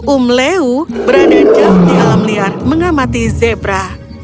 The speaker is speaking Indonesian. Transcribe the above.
um leu berada jauh di alam liar mengamati zebra